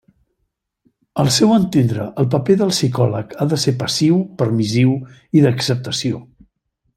Al seu entendre, el paper del psicòleg ha de ser passiu, permissiu i d'acceptació.